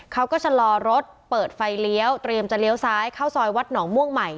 เขาก็ชะลอรถเปิดไฟเลี้ยวเตรียมจะเลี้ยวซ้ายเข้าซอยวัดหนองม่วงใหม่